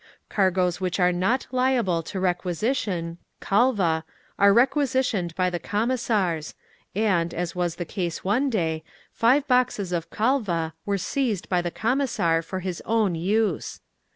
"Cargoes which are not liable to requisition (khalva) are requisitioned by the Commissars and, as was the case one day, five boxes of khalva were seized by the Commissar for his own use.